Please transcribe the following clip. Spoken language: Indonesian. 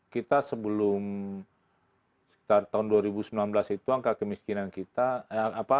kita sebelum sekitar tahun dua ribu sembilan belas itu angka kemiskinan kita